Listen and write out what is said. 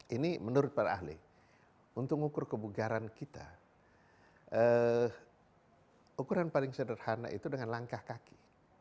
ini menurut para ahli untuk mengukur kebugaran kita ukuran paling sederhana itu dengan langkah kaki